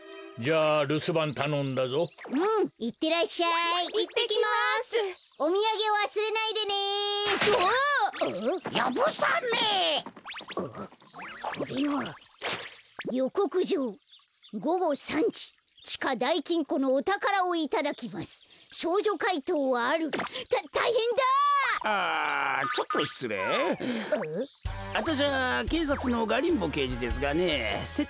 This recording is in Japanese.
あたしゃけいさつのガリンボけいじですがねせっ